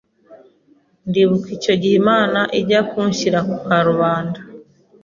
Ndibuka icyo gihe Imana ijya kunshyira ku karubanda